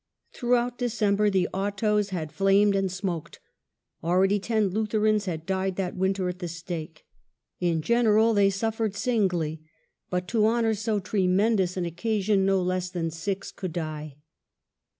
Throughout December the Autos had flamed and smoked ; already ten Lutherans had died that winter at the stake. In general they suffered singly; but to honor so tremendous an occasion, no less than six could die.